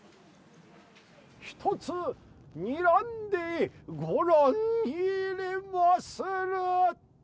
一つにらんでご覧に入れます